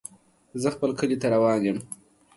زه خپل کلي ته روان يم.